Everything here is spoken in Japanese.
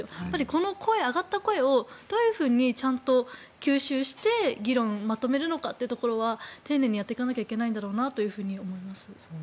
こうやって上がった声をどういうふうにちゃんと吸収して議論をまとめるのかというところは丁寧にやっていかなきゃいけないんだろうなと思います。